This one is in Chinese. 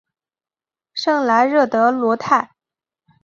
圣莱热德罗泰。